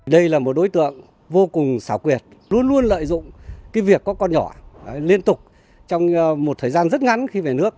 đây là một đối tượng vô cùng xảo quyệt luôn luôn lợi dụng việc có con nhỏ liên tục trong một thời gian rất ngắn khi về nước